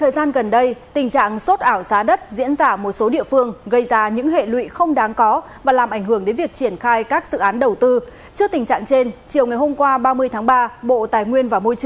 các bạn hãy đăng ký kênh để ủng hộ kênh của chúng mình nhé